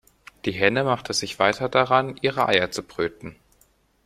Die Henne machte sich weiter daran, ihre Eier zu brüten.